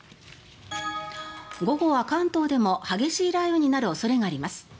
午後は関東でも激しい雷雨になる恐れがあります。